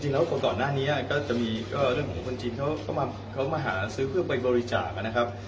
ก่อนหน้านี้ก็จะมีเรื่องของคนจีนเขามาหาซื้อเพื่อไปบริจาคนะครับ